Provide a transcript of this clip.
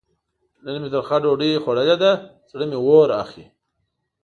نن مې ترخه ډوډۍ خوړلې ده؛ زړه مې اور اخلي.